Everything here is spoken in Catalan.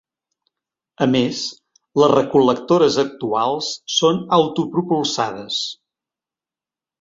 A més les recol·lectores actuals són autopropulsades.